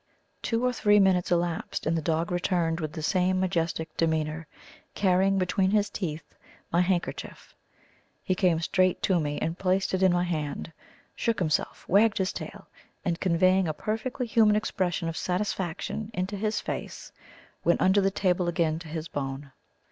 Two or three minutes elapsed, and the dog returned with the same majestic demeanour, carrying between his teeth my handkerchief. He came straight to me and placed it in my hand; shook himself, wagged his tail, and conveying a perfectly human expression of satisfaction into his face, went under the table again to his bone.